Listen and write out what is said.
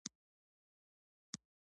د یتیم سر غوړول ثواب دی